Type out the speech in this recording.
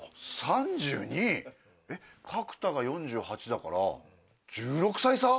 角田が４８だから１６歳差